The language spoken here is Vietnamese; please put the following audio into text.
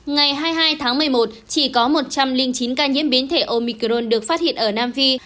ngày hai mươi hai tháng một mươi một chỉ có một trăm linh chín ca nhiễm biến thể omicron được phát hiện ở nam phi